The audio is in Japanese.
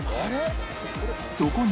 そこに